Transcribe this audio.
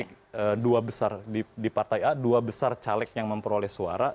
jadi dua besar di partai a dua besar caleg yang memperoleh suara